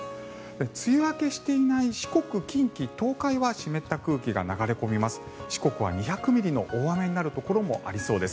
梅雨明けしていない四国、近畿、東海は湿った空気が流れ込みます。